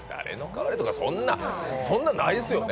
そんなのないですよね。